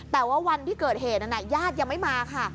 แต่ว่าวันที่เกิดเหตุนั้นญาติยังไม่มาค่ะ